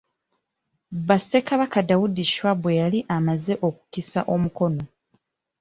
Bba Ssekabaka Daudi Chwa bwe yali amaze okukisa omukono.